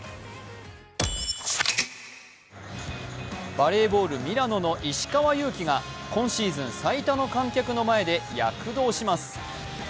バレーボール・ミラノの石川祐希が今シーズン最多の観客の前で躍動します。